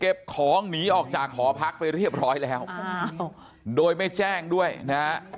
ของหนีออกจากหอพักไปเรียบร้อยแล้วโดยไม่แจ้งด้วยนะฮะ